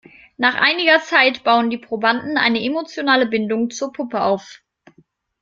Nach einiger Zeit bauen die Probanden eine emotionale Bindung zur Puppe auf.